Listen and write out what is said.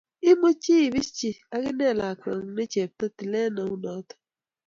imuchi ibischi akinen lakweng'ung' ne chebto tilet neu noto